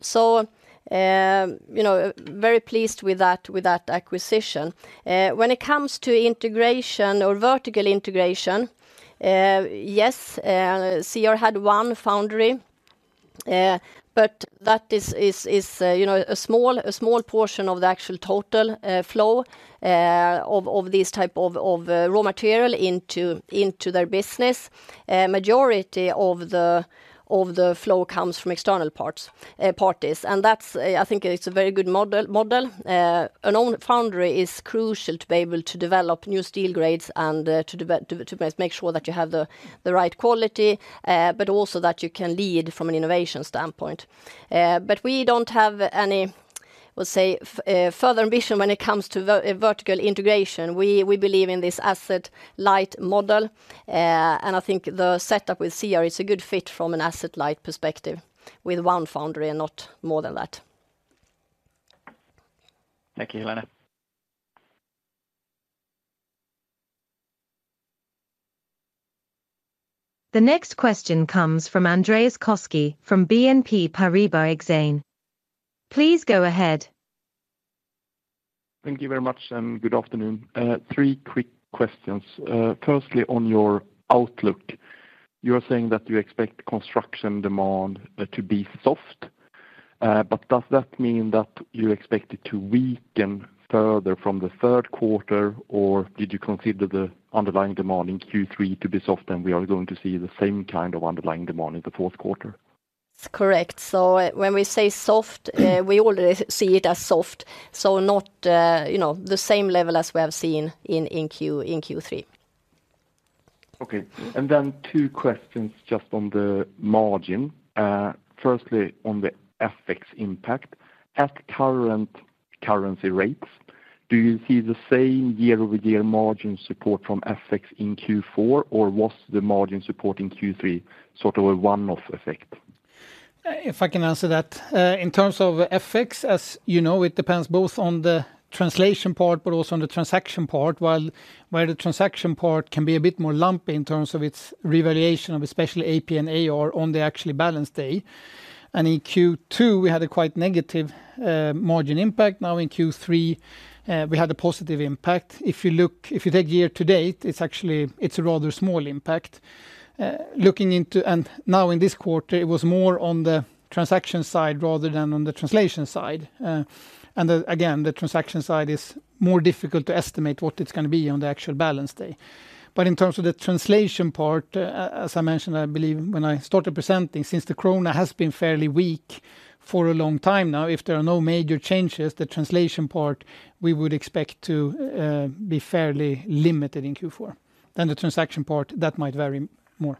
So, you know, very pleased with that acquisition. When it comes to integration or vertical integration, yes, CR had one foundry, but that is a small portion of the actual total flow of these type of raw material into their business. Majority of the flow comes from external parties, and that's, I think it's a very good model. An own foundry is crucial to be able to develop new steel grades and to make sure that you have the right quality, but also that you can lead from an innovation standpoint. But we don't have any, let's say, further ambition when it comes to vertical integration. We believe in this asset light model, and I think the setup with CR is a good fit from an asset light perspective, with one foundry and not more than that. Thank you, Helena. The next question comes from Andreas Koski from BNP Paribas Exane. Please go ahead. Thank you very much, and good afternoon. Three quick questions. Firstly, on your outlook, you are saying that you expect construction demand to be soft, but does that mean that you expect it to weaken further from the third quarter? Or did you consider the underlying demand in Q3 to be soft, and we are going to see the same kind of underlying demand in the fourth quarter? It's correct. So when we say soft, we already see it as soft, so not, you know, the same level as we have seen in Q3. Okay. And then two questions just on the margin. Firstly, on the FX impact. At current currency rates, do you see the same year-over-year margin support from FX in Q4, or was the margin support in Q3 sort of a one-off effect? If I can answer that. In terms of FX, as you know, it depends both on the translation part but also on the transaction part, while where the transaction part can be a bit more lumpy in terms of its revaluation of especially AP and AR on the actual balance day. And in Q2, we had a quite negative margin impact. Now in Q3, we had a positive impact. If you look, if you take year to date, it's actually, it's a rather small impact. Looking into. And now in this quarter, it was more on the transaction side rather than on the translation side. And, again, the transaction side is more difficult to estimate what it's gonna be on the actual balance day. In terms of the translation part, as I mentioned, I believe, when I started presenting, since the krona has been fairly weak for a long time now, if there are no major changes, the translation part, we would expect to be fairly limited in Q4. The transaction part, that might vary more.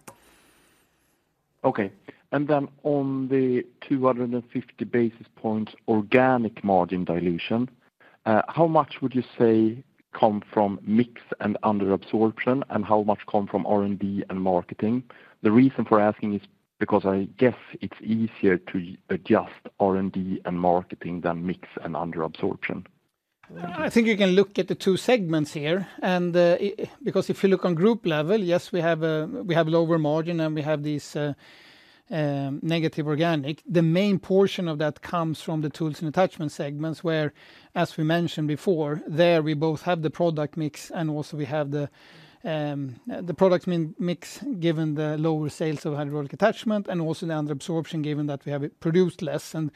Okay. And then on the 250 basis points organic margin dilution, how much would you say come from mix and under absorption, and how much come from R&D and marketing? The reason for asking is because I guess it's easier to adjust R&D and marketing than mix and under absorption. I think you can look at the two segments here, and because if you look on group level, yes, we have a lower margin, and we have these negative organic. The main portion of that comes from the tools and attachment segments, where, as we mentioned before, there we both have the product mix, and also we have the product mix, given the lower sales of hydraulic attachment and also the under absorption, given that we have it produced less. And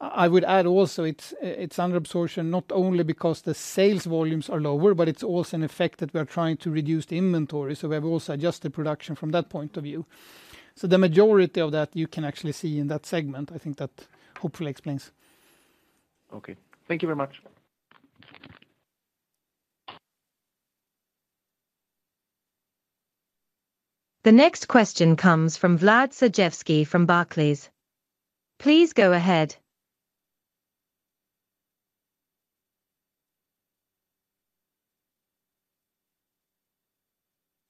I would add also, it's under absorption, not only because the sales volumes are lower, but it's also an effect that we are trying to reduce the inventory, so we have also adjusted production from that point of view. So the majority of that you can actually see in that segment. I think that hopefully explains. Okay. Thank you very much. The next question comes from Vlad Sergievskiy from Barclays. Please go ahead.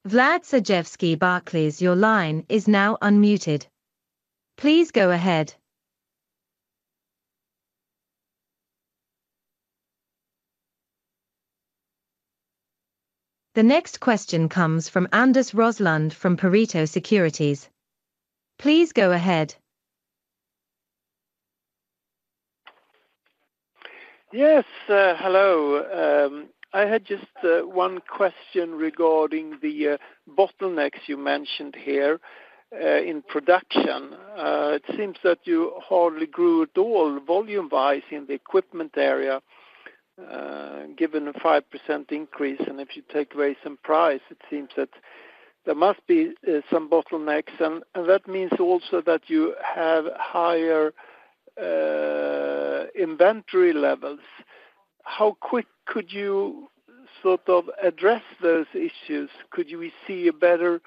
Vlad Sergievskiy, Barclays, your line is now unmuted. Please go ahead. The next question comes from Anders Roslund from Pareto Securities. Please go ahead. Yes, hello. I had just one question regarding the bottlenecks you mentioned here in production. It seems that you hardly grew at all volume-wise in the equipment area, given a 5% increase, and if you take away some price, it seems that there must be some bottlenecks. And that means also that you have higher inventory levels. How quick could you sort of address those issues? Could we see a better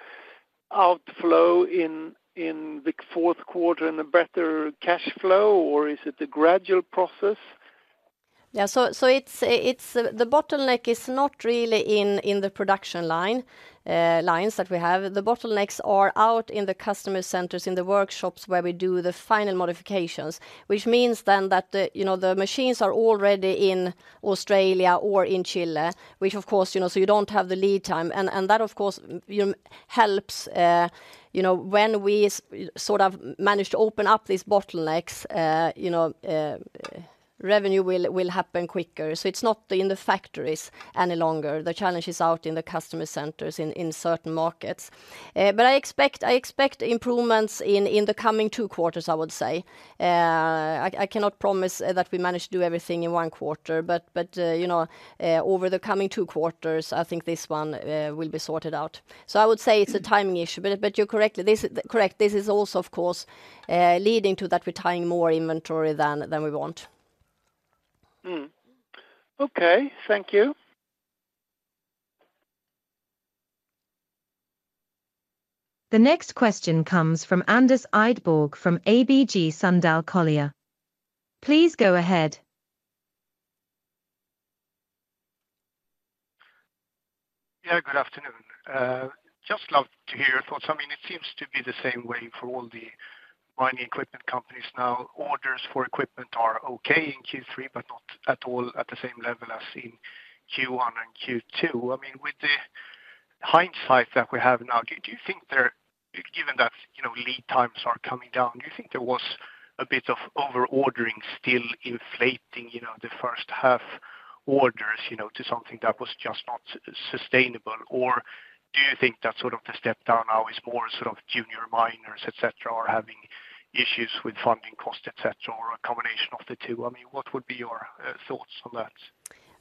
outflow in the fourth quarter and a better cash flow, or is it a gradual process? Yeah, so it's the bottleneck is not really in the production lines that we have. The bottlenecks are out in the customer centers, in the workshops where we do the final modifications, which means then that you know, the machines are already in Australia or in Chile, which of course, you know, so you don't have the lead time. And that, of course, helps, you know, when we sort of manage to open up these bottlenecks, you know, revenue will happen quicker. So it's not in the factories any longer. The challenge is out in the customer centers in certain markets. But I expect improvements in the coming two quarters, I would say. I cannot promise that we manage to do everything in one quarter, but, you know, over the coming two quarters, I think this one will be sorted out. So I would say it's a timing issue. But you're correct, this is also, of course, leading to that we're tying more inventory than we want. Hmm. Okay, thank you. The next question comes from Anders Idborg from ABG Sundal Collier. Please go ahead. Yeah, good afternoon. Just love to hear your thoughts. I mean, it seems to be the same way for all the mining equipment companies now. Orders for equipment are okay in Q3, but not at all at the same level as in Q1 and Q2. I mean, with the hindsight that we have now, do you think there, given that, you know, lead times are coming down, do you think there was a bit of over-ordering still inflating, you know, the first half orders, you know, to something that was just not sustainable? Or do you think that sort of the step down now is more sort of junior miners, et cetera, are having issues with funding costs, et cetera, or a combination of the two? I mean, what would be your thoughts on that?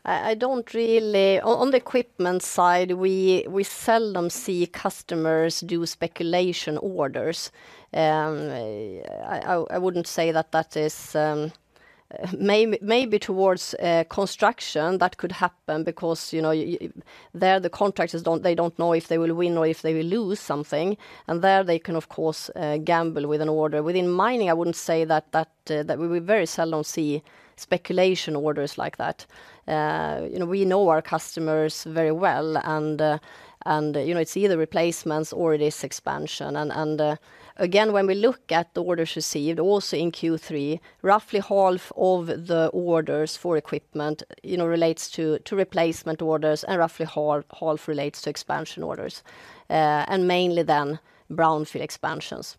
I don't really. On the equipment side, we seldom see customers do speculation orders. I wouldn't say that that is, maybe towards construction that could happen because, you know, there, the contractors don't, they don't know if they will win or if they will lose something, and there they can, of course, gamble with an order. Within mining, I wouldn't say that, that we very seldom see speculation orders like that. You know, we know our customers very well, and, you know, it's either replacements or it is expansion. And again, when we look at the orders received, also in Q3, roughly half of the orders for equipment, you know, relates to replacement orders, and roughly half relates to expansion orders, and mainly then brownfield expansions.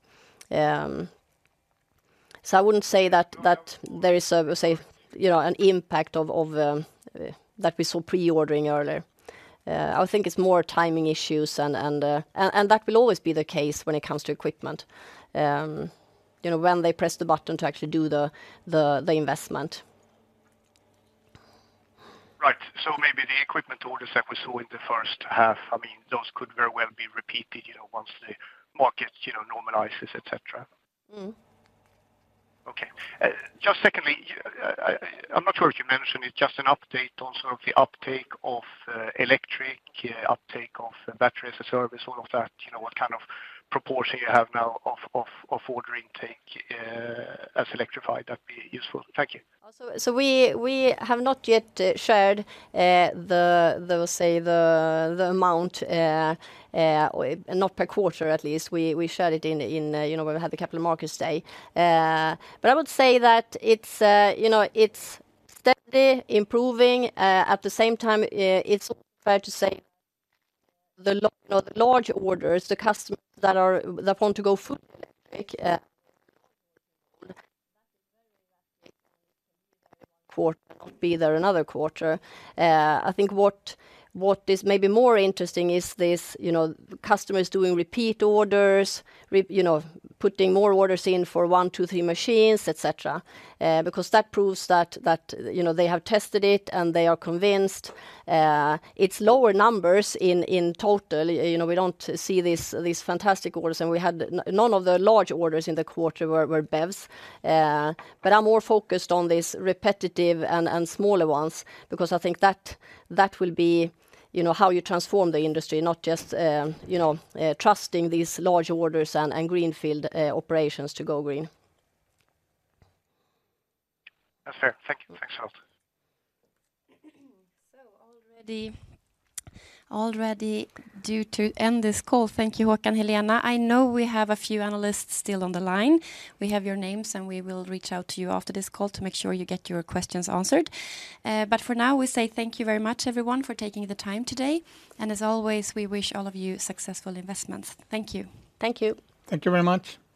So I wouldn't say that there is a, say, you know, an impact of that we saw pre-ordering earlier. I think it's more timing issues and that will always be the case when it comes to equipment. You know, when they press the button to actually do the investment. Right. So maybe the equipment orders that we saw in the first half, I mean, those could very well be repeated, you know, once the market, you know, normalizes, et cetera. Mm-hmm. Okay. Just secondly, I'm not sure if you mentioned it, just an update on sort of the uptake of electric uptake of Battery as a Service, all of that. You know, what kind of proportion you have now of ordering take as electrified? That'd be useful. Thank you. We have not yet shared the, say, the amount, not per quarter at least. We shared it in, you know, when we had the capital markets day. I would say that it's, you know, it's steadily improving. At the same time, it's fair to say the large orders, the customers that are—that want to go fully electric, quarter, be there another quarter. I think what is maybe more interesting is this, you know, customers doing repeat orders, putting more orders in for one, two, three machines, et cetera, because that proves that, you know, they have tested it and they are convinced. It's lower numbers in total. You know, we don't see these, these fantastic orders, and we had none of the large orders in the quarter were, were BEVs. But I'm more focused on these repetitive and, and smaller ones because I think that, that will be, you know, how you transform the industry, not just, you know, trusting these large orders and, and greenfield operations to go green. That's fair. Thank you. Thanks a lot. So, already due to end this call. Thank you, Håkan, Helena. I know we have a few analysts still on the line. We have your names, and we will reach out to you after this call to make sure you get your questions answered. But for now, we say thank you very much, everyone, for taking the time today. And as always, we wish all of you successful investments. Thank you. Thank you. Thank you very much.